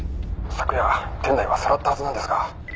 「昨夜店内はさらったはずなんですが」